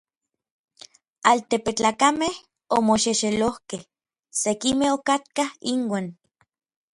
Altepetlakamej omoxexelojkej: sekimej okatkaj inuan.